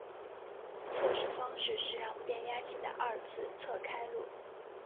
测试方式是让变压器的二次侧开路。